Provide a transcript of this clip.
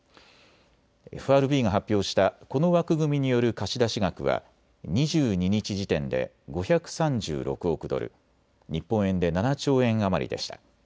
ＦＲＢが発表したこの枠組みによる貸出額は２２日時点で５３６億ドル、日本円で７兆円余りでした。